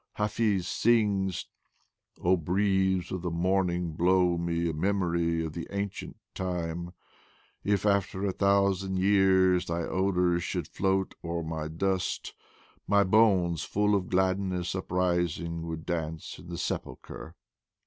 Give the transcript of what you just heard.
Hafiz sings: — O breeze of the morning blow me a memory of the ancient time; If after a thousand years thy odors should float o'er my dust, My bones, full of gladness uprising, would dance in the sepulcher!